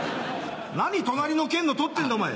何隣の県の取ってんだお前。